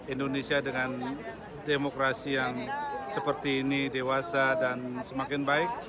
indonesia dengan demokrasi yang seperti ini dewasa dan semakin baik